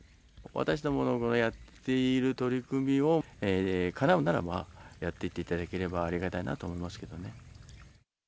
私どものやっている取り組みを、かなうならば、やっていっていただければありがたいなと思いますけどね。